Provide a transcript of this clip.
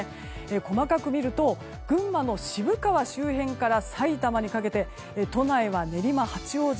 細かく見ると群馬の渋川周辺からさいたまにかけて都内は練馬、八王子